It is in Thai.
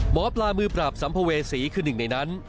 หมอปลามือปราบสัมภเวษีคือหนึ่งในนั้น